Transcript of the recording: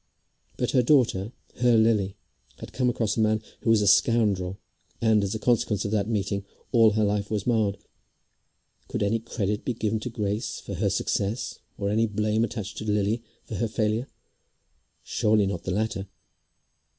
But her daughter, her Lily, had come across a man who was a scoundrel, and, as the consequence of that meeting, all her life was marred! Could any credit be given to Grace for her success, or any blame attached to Lily for her failure? Surely not the latter!